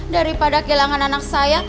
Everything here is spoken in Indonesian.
daripada kehilangan anak saya